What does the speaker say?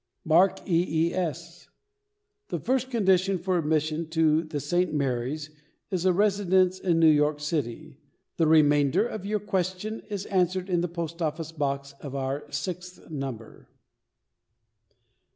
MARK E. E. S. The first condition for admission to the St. Mary's is a residence in New York city. The remainder of your question is answered in the Post office Box of our sixth number.